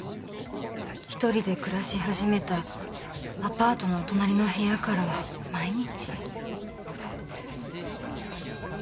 一人で暮らし始めたアパートの隣の部屋からは毎日。